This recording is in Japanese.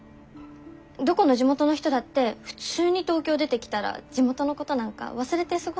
どこの地元の人だって普通に東京出てきたら地元のことなんか忘れて過ごすよ。